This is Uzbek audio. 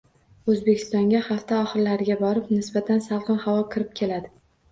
O‘zbekistonga hafta oxirlariga borib nisbatan salqin havo kirib keladi